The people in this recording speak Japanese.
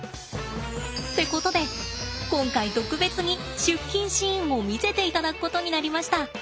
ってことで今回特別に出勤シーンを見せていただくことになりました。